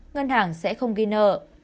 ngân hàng sẽ không ghi nợ